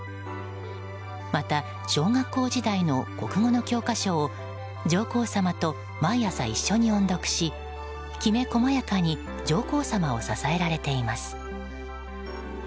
また、小学校時代の国語の教科書を上皇さまと毎朝一緒に音読しきめ細やかに上皇さまを支えられています。